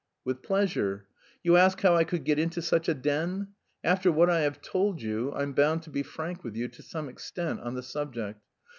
"With pleasure. You ask how I could get into such a den? After what I have told you, I'm bound to be frank with you to some extent on the subject.